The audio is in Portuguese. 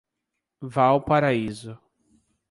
Valparaíso